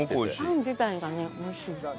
パン自体がねおいしい。